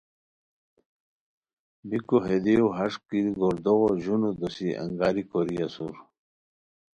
بیکو ہے دیو ہݰ کی گوردوغو ژونو دوسی انگاری کوری اسور